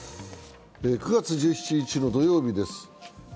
９月１７日の土曜日です。